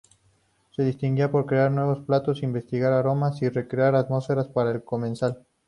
Se distingue por crear nuevos platos, investigar aromas y recrear atmósferas para el comensal.